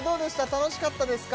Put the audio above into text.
楽しかったですか？